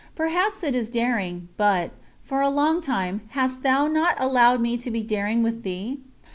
Perhaps it is daring, but, for a long time, hast thou not allowed me to be daring with Thee?